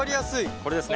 これですね。